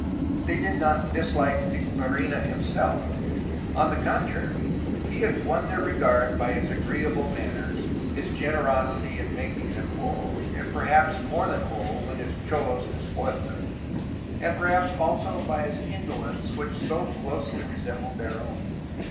They did not dislike Micheltorena himself; on the contrary he had won their regard by his agreeable manners, his generosity in making them whole, and perhaps more than whole when his cholos despoiled them, and perhaps also by his indolence which so closely resembled theh own.